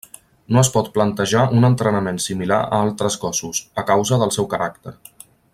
No es pot plantejar un entrenament similar a altres gossos, a causa del seu caràcter.